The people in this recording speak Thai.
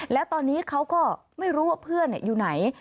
แล้วตอนนี้เขาก็ไม่รู้ว่าเพื่อนอยู่ไหน